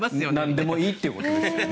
なんでもいいということですね。